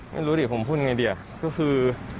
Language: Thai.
ไม่รู้ดิผมพูดยังไงดีก็คือ